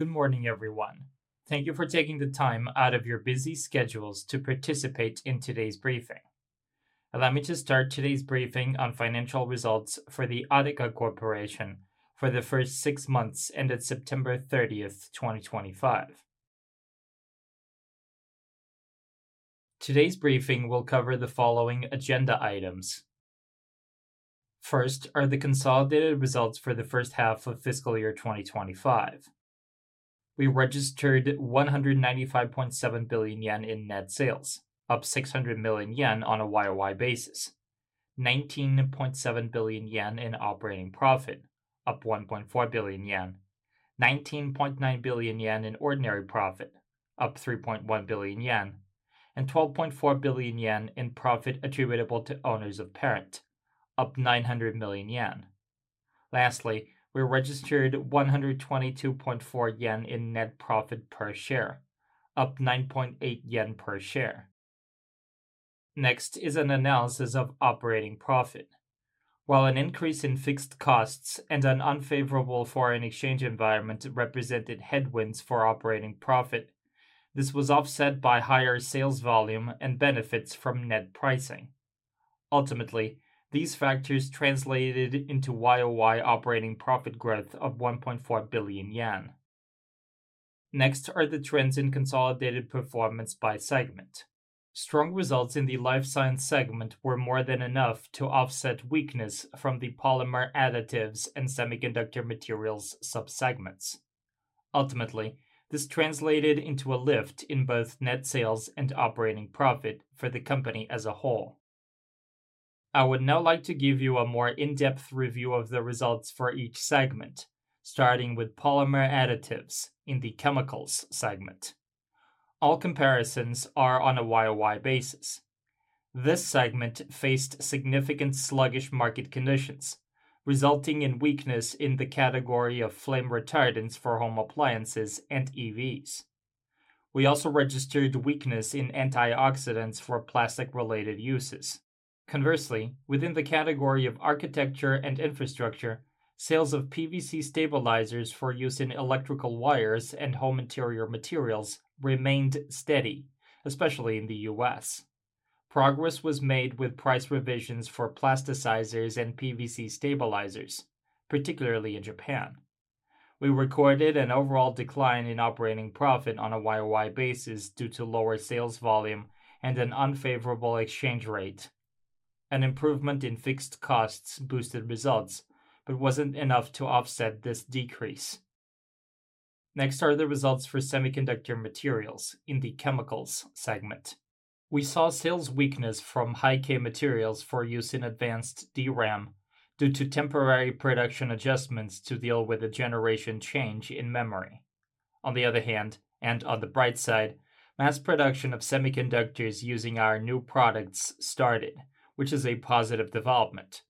Good morning, everyone. Thank you for taking the time out of your busy schedules to participate in today's briefing. Allow me to start today's briefing on financial results for the ADEKA Corporation for the first six months ended September 30, 2025. Today's briefing will cover the following agenda items. First are the consolidated results for the first half of fiscal year 2025. We registered 195.7 billion yen in net sales, up 600 million yen on a YoY basis. 19.7 billion yen in operating profit, up 1.4 billion yen. 19.9 billion yen in ordinary profit, up 3.1 billion yen, and 12.4 billion yen in profit attributable to owners of parent, up 900 million yen. Lastly, we registered 122.4 yen in net profit per share, up 9.8 yen per share. Next is an analysis of operating profit. While an increase in fixed costs and an unfavorable foreign exchange environment represented headwinds for operating profit, this was offset by higher sales volume and benefits from net pricing. Ultimately, these factors translated into YoY operating profit growth of 1.4 billion yen. Next are the trends in consolidated performance by segment. Strong results in the life science segment were more than enough to offset weakness from the polymer additives and semiconductor materials sub-segments. Ultimately, this translated into a lift in both net sales and operating profit for the company as a whole. I would now like to give you a more in-depth review of the results for each segment, starting with polymer additives in the chemicals segment. All comparisons are on a YoY basis. This segment faced significant sluggish market conditions, resulting in weakness in the category of flame retardants for home appliances and EVs. We also registered weakness in antioxidants for plastic-related uses. Conversely, within the category of architecture and infrastructure, sales of PVC stabilizers for use in electrical wires and home interior materials remained steady, especially in the U.S. Progress was made with price revisions for plasticizers and PVC stabilizers, particularly in Japan. We recorded an overall decline in operating profit on a YoY basis due to lower sales volume and an unfavorable exchange rate. An improvement in fixed costs boosted results, but wasn't enough to offset this decrease. Next are the results for semiconductor materials in the chemicals segment. We saw sales weakness from high-k materials for use in advanced DRAM due to temporary production adjustments to deal with the generation change in memory. On the other hand, and on the bright side, mass production of semiconductors using our new products started, which is a positive development.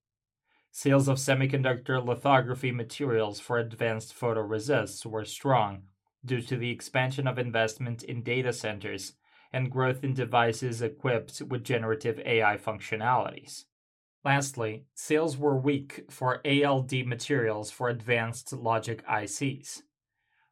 Sales of semiconductor lithography materials for advanced photoresists were strong due to the expansion of investment in data centers and growth in devices equipped with generative AI functionalities. Lastly, sales were weak for ALD materials for advanced logic ICs.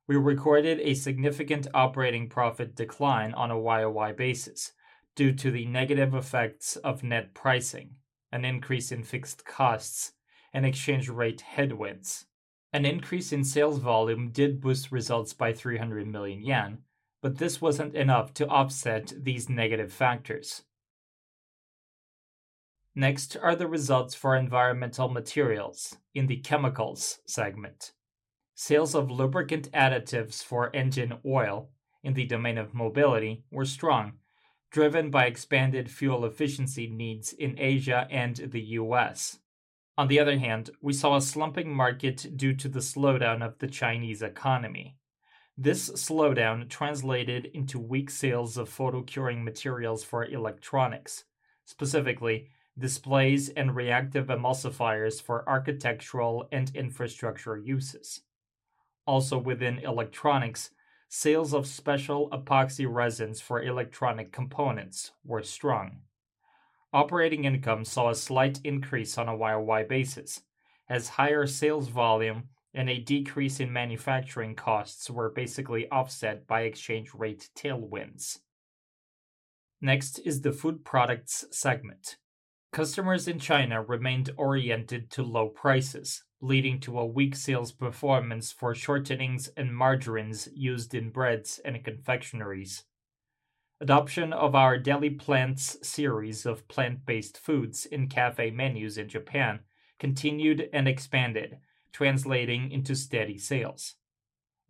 We recorded a significant operating profit decline on a YoY basis due to the negative effects of net pricing, an increase in fixed costs, and exchange rate headwinds. An increase in sales volume did boost results by 300 million yen, but this wasn't enough to offset these negative factors. Next are the results for environmental materials in the chemicals segment. Sales of lubricant additives for engine oil in the domain of mobility were strong, driven by expanded fuel efficiency needs in Asia and the U.S. On the other hand, we saw a slumping market due to the slowdown of the Chinese economy. This slowdown translated into weak sales of photo curing materials for electronics, specifically displays and reactive emulsifiers for architectural and infrastructure uses. Also within electronics, sales of specialty epoxy resins for electronic components were strong. Operating income saw a slight increase on a YoY basis as higher sales volume and a decrease in manufacturing costs were basically offset by exchange rate tailwinds. Next is the food products segment. Customers in China remained oriented to low prices, leading to a weak sales performance for shortenings and margarines used in breads and confectioneries. Adoption of our Deli-PLANTS series of plant-based foods in cafe menus in Japan continued and expanded, translating into steady sales.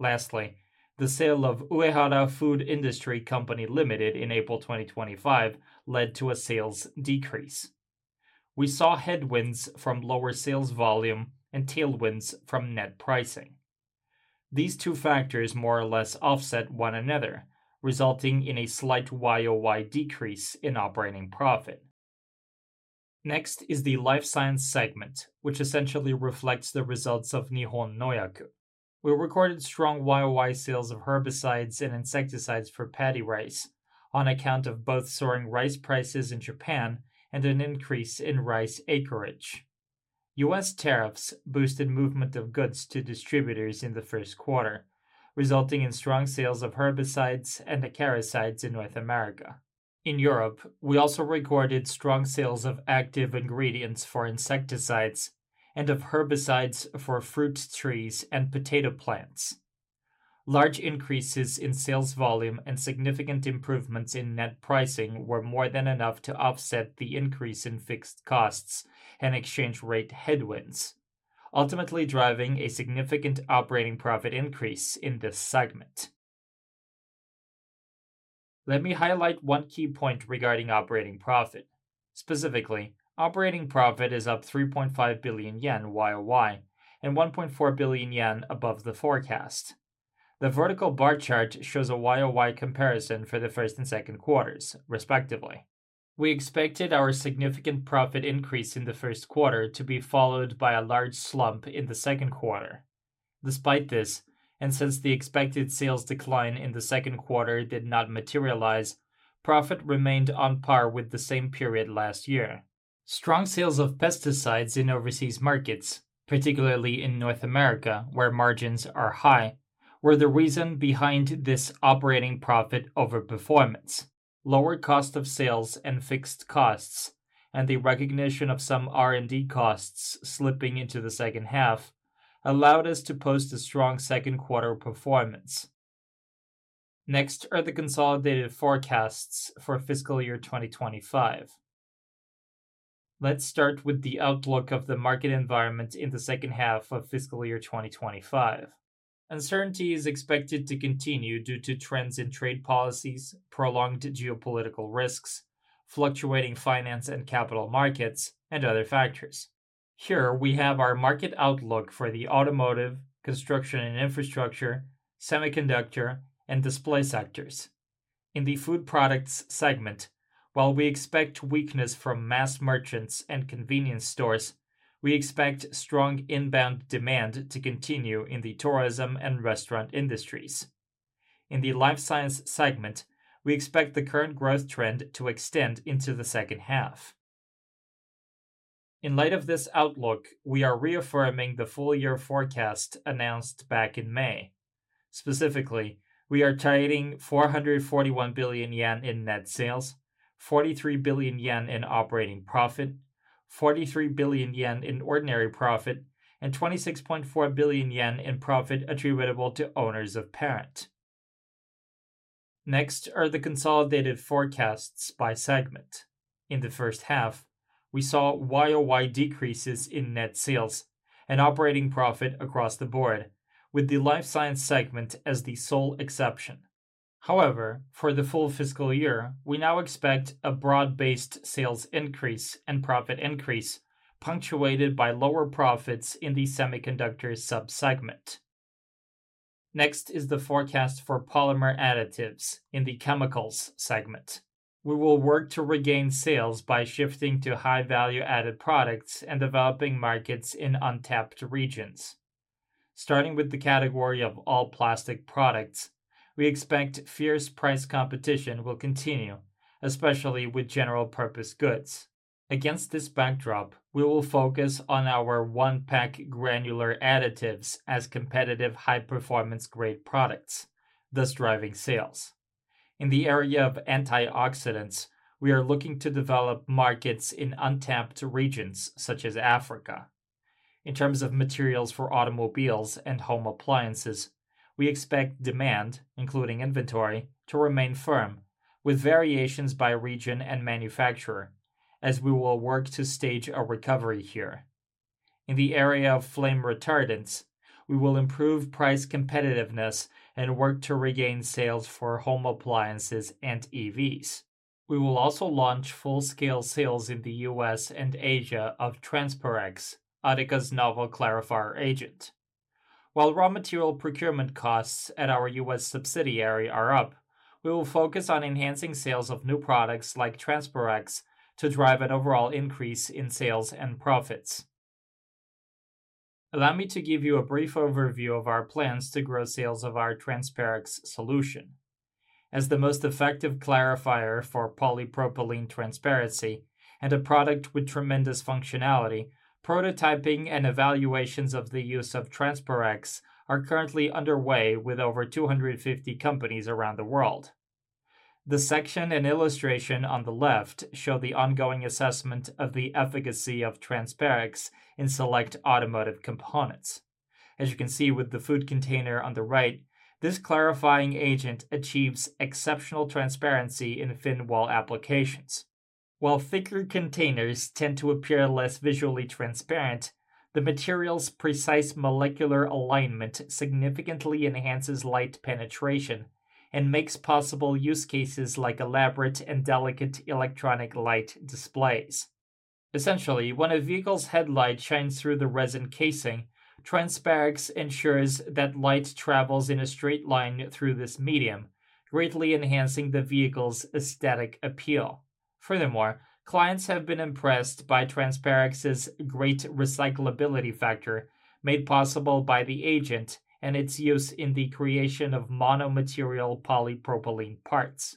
Lastly, the sale of Uehara Foods Industry Co Ltd in April 2025 led to a sales decrease. We saw headwinds from lower sales volume and tailwinds from net pricing. These two factors more or less offset one another, resulting in a slight YoY decrease in operating profit. Next is the life science segment, which essentially reflects the results of Nihon Nohyaku. We recorded strong YoY sales of herbicides and insecticides for paddy rice on account of both soaring rice prices in Japan and an increase in rice acreage. U.S. tariffs boosted movement of goods to distributors in the first quarter, resulting in strong sales of herbicides and acaricides in North America. In Europe, we also recorded strong sales of active ingredients for insecticides and of herbicides for fruit trees and potato plants. Large increases in sales volume and significant improvements in net pricing were more than enough to offset the increase in fixed costs and exchange rate headwinds, ultimately driving a significant operating profit increase in this segment. Let me highlight one key point regarding operating profit. Specifically, operating profit is up 3.5 billion yen YoY and 1.4 billion yen above the forecast. The vertical bar chart shows a YoY comparison for the first and second quarters, respectively. We expected our significant profit increase in the first quarter to be followed by a large slump in the second quarter. Despite this, and since the expected sales decline in the second quarter did not materialize, profit remained on par with the same period last year. Strong sales of pesticides in overseas markets, particularly in North America, where margins are high, were the reason behind this operating profit over-performance. Lower cost of sales and fixed costs and the recognition of some R&D costs slipping into the second half allowed us to post a strong second quarter performance. Next are the consolidated forecasts for fiscal year 2025. Let's start with the outlook of the market environment in the second half of fiscal year 2025. Uncertainty is expected to continue due to trends in trade policies, prolonged geopolitical risks, fluctuating financial and capital markets, and other factors. Here we have our market outlook for the automotive, construction and infrastructure, semiconductor, and display sectors. In the food products segment, while we expect weakness from mass merchants and convenience stores, we expect strong inbound demand to continue in the tourism and restaurant industries. In the life science segment, we expect the current growth trend to extend into the second half. In light of this outlook, we are reaffirming the full year forecast announced back in May. Specifically, we are targeting 441 billion yen in net sales, 43 billion yen in operating profit, 43 billion yen in ordinary profit, and 26.4 billion yen in profit attributable to owners of parent. Next are the consolidated forecasts by segment. In the first half, we saw year-over-year decreases in net sales and operating profit across the board, with the life science segment as the sole exception. However, for the full fiscal year, we now expect a broad-based sales increase and profit increase punctuated by lower profits in the semiconductor sub-segment. Next is the forecast for polymer additives in the chemicals segment. We will work to regain sales by shifting to high value-added products and developing markets in untapped regions. Starting with the category of all plastic products, we expect fierce price competition will continue, especially with general purpose goods. Against this backdrop, we will focus on our one-pack granular additives as competitive high performance grade products, thus driving sales. In the area of antioxidants, we are looking to develop markets in untapped regions such as Africa. In terms of materials for automobiles and home appliances, we expect demand, including inventory, to remain firm with variations by region and manufacturer, as we will work to stage a recovery here. In the area of flame retardants, we will improve price competitiveness and work to regain sales for home appliances and EVs. We will also launch full-scale sales in the U.S. and Asia of TRANSPAREX, ADEKA's novel clarifier agent. While raw material procurement costs at our U.S. subsidiary are up, we will focus on enhancing sales of new products like TRANSPAREX to drive an overall increase in sales and profits. Allow me to give you a brief overview of our plans to grow sales of our TRANSPAREX solution. As the most effective clarifier for polypropylene transparency and a product with tremendous functionality, prototyping and evaluations of the use of TRANSPAREX are currently underway with over 250 companies around the world. The section and illustration on the left show the ongoing assessment of the efficacy of TRANSPAREX in select automotive components. As you can see with the food container on the right, this clarifying agent achieves exceptional transparency in thin wall applications. While thicker containers tend to appear less visually transparent, the material's precise molecular alignment significantly enhances light penetration and makes possible use cases like elaborate and delicate electronic light displays. Essentially, when a vehicle's headlight shines through the resin casing, TRANSPAREX ensures that light travels in a straight line through this medium, greatly enhancing the vehicle's aesthetic appeal. Furthermore, clients have been impressed by TRANSPAREX's great recyclability factor made possible by the agent and its use in the creation of mono-material polypropylene parts.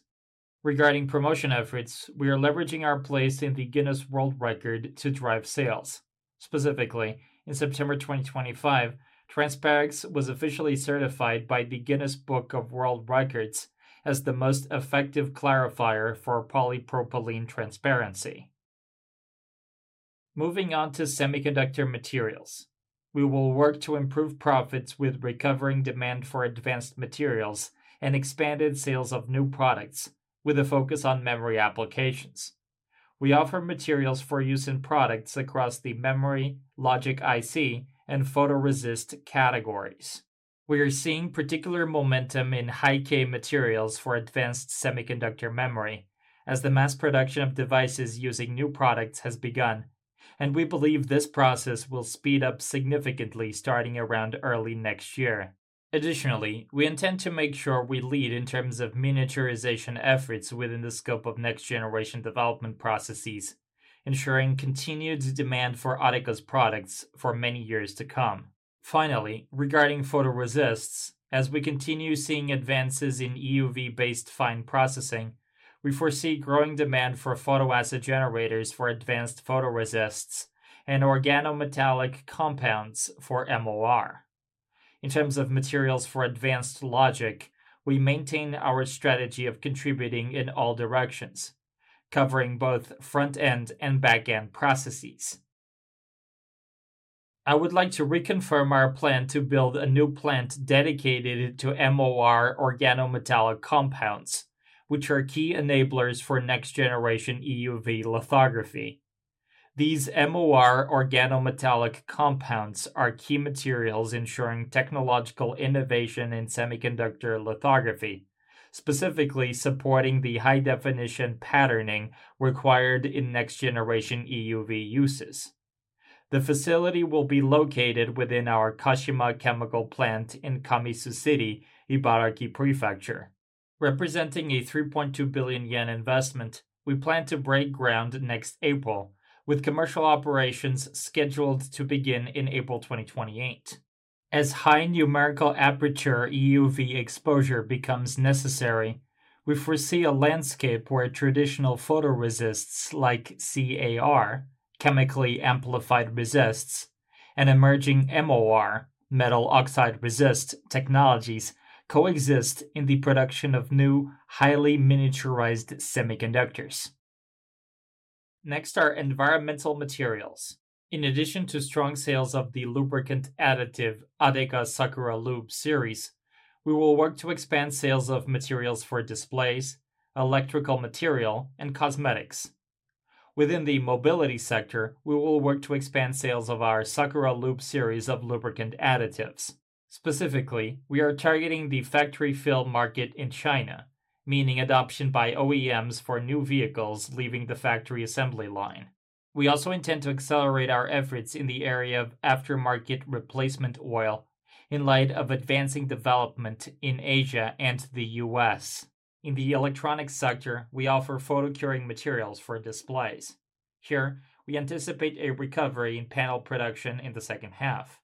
Regarding promotion efforts, we are leveraging our place in the Guinness World Records to drive sales. Specifically, in September 2025, TRANSPAREX was officially certified by the Guinness World Records as the most effective clarifier for polypropylene transparency. Moving on to semiconductor materials, we will work to improve profits with recovering demand for advanced materials and expanded sales of new products with a focus on memory applications. We offer materials for use in products across the memory, logic IC, and photoresist categories. We are seeing particular momentum in high-k materials for advanced semiconductor memory as the mass production of devices using new products has begun, and we believe this process will speed up significantly starting around early next year. Additionally, we intend to make sure we lead in terms of miniaturization efforts within the scope of next generation development processes, ensuring continued demand for ADEKA's products for many years to come. Finally, regarding photoresists, as we continue seeing advances in EUV-based fine processing, we foresee growing demand for photoacid generators for advanced photoresists and organometallic compounds for MOR. In terms of materials for advanced logic, we maintain our strategy of contributing in all directions, covering both front-end and back-end processes. I would like to reconfirm our plan to build a new plant dedicated to MOR organometallic compounds, which are key enablers for next generation EUV lithography. These MOR organometallic compounds are key materials ensuring technological innovation in semiconductor lithography, specifically supporting the high-definition patterning required in next generation EUV uses. The facility will be located within our Kashima Chemical Plant in Kamisu City, Ibaraki Prefecture. Representing a 3.2 billion yen investment, we plan to break ground next April, with commercial operations scheduled to begin in April 2028. As high numerical aperture EUV exposure becomes necessary, we foresee a landscape where traditional photoresists like CAR, chemically amplified resists, and emerging MOR, metal oxide resist technologies coexist in the production of new, highly miniaturized semiconductors. Next are environmental materials. In addition to strong sales of the lubricant additive ADEKA SAKURA-LUBE series, we will work to expand sales of materials for displays, electrical material, and cosmetics. Within the mobility sector, we will work to expand sales of our Sakura-Lube series of lubricant additives. Specifically, we are targeting the factory fill market in China, meaning adoption by OEMs for new vehicles leaving the factory assembly line. We also intend to accelerate our efforts in the area of aftermarket replacement oil in light of advancing development in Asia and the U.S. In the electronics sector, we offer photo curing materials for displays. Here, we anticipate a recovery in panel production in the second half.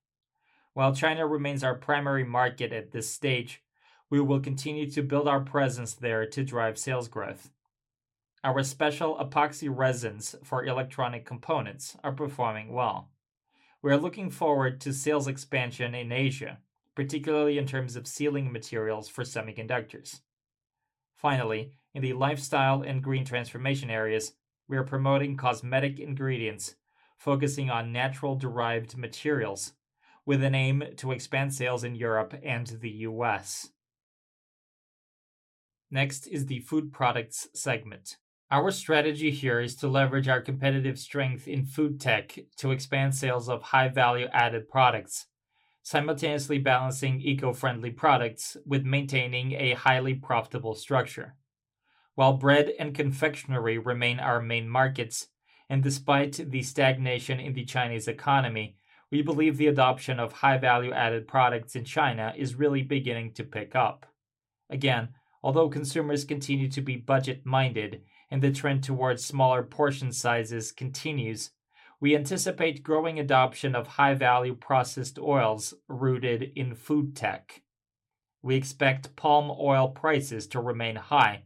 While China remains our primary market at this stage, we will continue to build our presence there to drive sales growth. Our specialty epoxy resins for electronic components are performing well. We are looking forward to sales expansion in Asia, particularly in terms of sealing materials for semiconductors. Finally, in the lifestyle and green transformation areas, we are promoting cosmetic ingredients, focusing on natural derived materials with an aim to expand sales in Europe and the U.S. Next is the food products segment. Our strategy here is to leverage our competitive strength in food tech to expand sales of high value-added products, simultaneously balancing eco-friendly products with maintaining a highly profitable structure. While bread and confectionery remain our main markets, and despite the stagnation in the Chinese economy, we believe the adoption of high value-added products in China is really beginning to pick up. Again, although consumers continue to be budget-minded and the trend towards smaller portion sizes continues, we anticipate growing adoption of high-value processed oils rooted in food tech. We expect palm oil prices to remain high,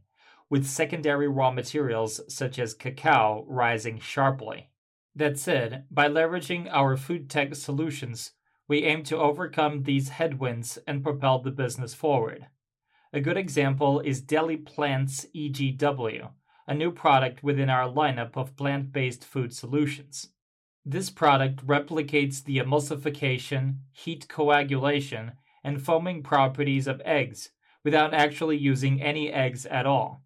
with secondary raw materials such as cacao rising sharply. That said, by leveraging our food tech solutions, we aim to overcome these headwinds and propel the business forward. A good example is Deli-PLANTS EG-W, a new product within our lineup of plant-based food solutions. This product replicates the emulsification, heat coagulation, and foaming properties of eggs without actually using any eggs at all.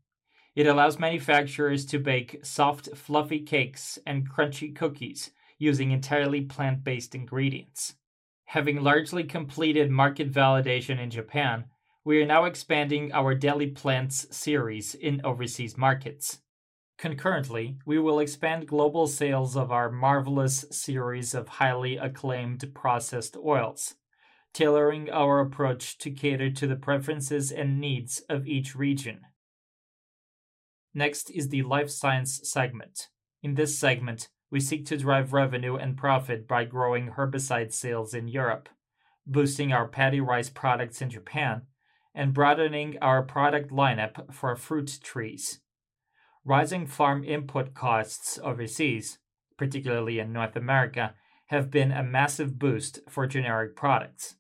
It allows manufacturers to bake soft, fluffy cakes and crunchy cookies using entirely plant-based ingredients. Having largely completed market validation in Japan, we are now expanding our Deli-PLANTS series in overseas markets. Concurrently, we will expand global sales of our MARVELOUS series of highly acclaimed processed oils, tailoring our approach to cater to the preferences and needs of each region. Next is the life science segment. In this segment, we seek to drive revenue and profit by growing herbicide sales in Europe. Boosting our paddy rice products in Japan and broadening our product lineup for fruit trees. Rising farm input costs overseas, particularly in North America, have been a massive boost for generic products.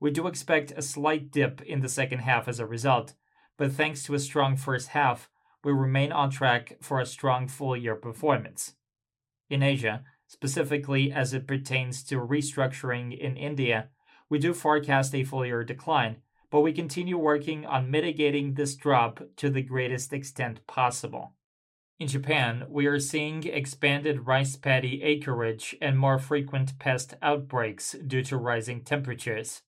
We do expect a slight dip in the second half as a result, but thanks to a strong first half, we remain on track for a strong full year performance. In Asia, specifically as it pertains to restructuring in India, we do forecast a full year decline, but we continue working on mitigating this drop to the greatest extent possible. In Japan, we are seeing expanded rice paddy acreage and more frequent pest outbreaks due to rising temperatures.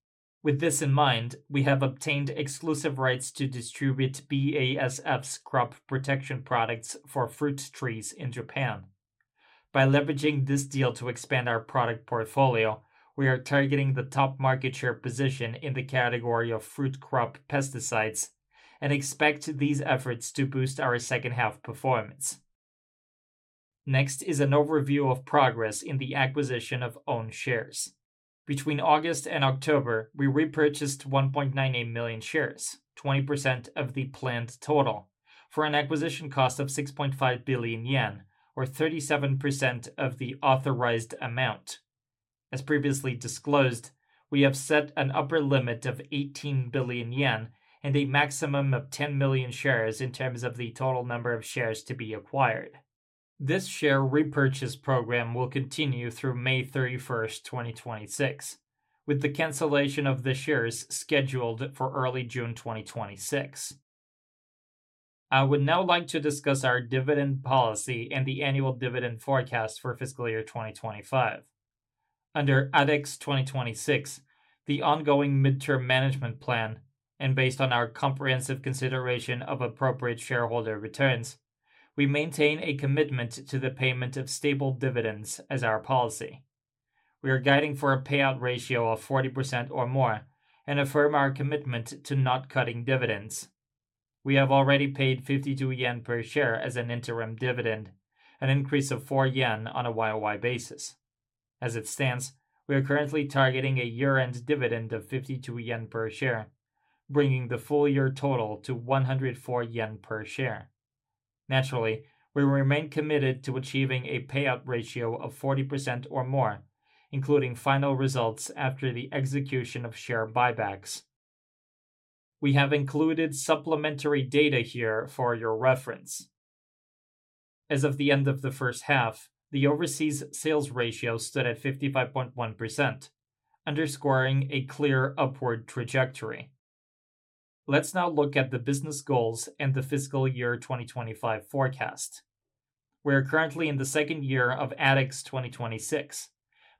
With this in mind, we have obtained exclusive rights to distribute BASF's crop protection products for fruit trees in Japan. By leveraging this deal to expand our product portfolio, we are targeting the top market share position in the category of fruit crop pesticides and expect these efforts to boost our second half performance. Next is an overview of progress in the acquisition of own shares. Between August and October, we repurchased 1.98 million shares, 20% of the planned total, for an acquisition cost of 6.5 billion yen, or 37% of the authorized amount. As previously disclosed, we have set an upper limit of 18 billion yen and a maximum of 10 million shares in terms of the total number of shares to be acquired. This share repurchase program will continue through May 31, 2026, with the cancellation of the shares scheduled for early June 2026. I would now like to discuss our dividend policy and the annual dividend forecast for fiscal year 2025. Under ADX 2026, the ongoing mid-term management plan, and based on our comprehensive consideration of appropriate shareholder returns, we maintain a commitment to the payment of stable dividends as our policy. We are guiding for a payout ratio of 40% or more and affirm our commitment to not cutting dividends. We have already paid 52 yen per share as an interim dividend, an increase of 4 yen on a YoY basis. As it stands, we are currently targeting a year-end dividend of 52 yen per share, bringing the full year total to 104 yen per share. Naturally, we remain committed to achieving a payout ratio of 40% or more, including final results after the execution of share buybacks. We have included supplementary data here for your reference. As of the end of the first half, the overseas sales ratio stood at 55.1%, underscoring a clear upward trajectory. Let's now look at the business goals and the fiscal year 2025 forecast. We are currently in the second year of ADX 2026,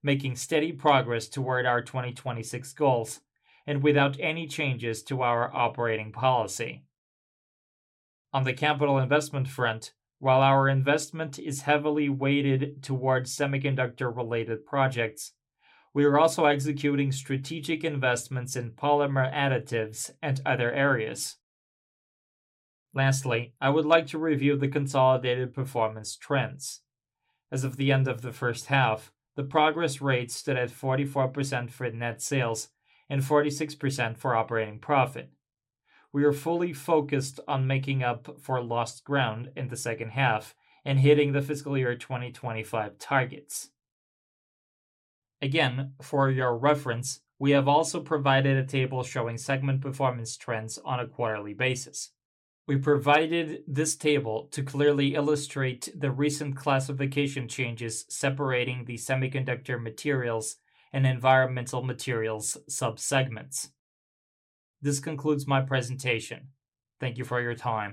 making steady progress toward our 2026 goals and without any changes to our operating policy. On the capital investment front, while our investment is heavily weighted towards semiconductor-related projects, we are also executing strategic investments in polymer additives and other areas. Lastly, I would like to review the consolidated performance trends. As of the end of the first half, the progress rate stood at 44% for net sales and 46% for operating profit. We are fully focused on making up for lost ground in the second half and hitting the fiscal year 2025 targets. Again, for your reference, we have also provided a table showing segment performance trends on a quarterly basis. We provided this table to clearly illustrate the recent classification changes separating the semiconductor materials and environmental materials sub-segments. This concludes my presentation. Thank you for your time.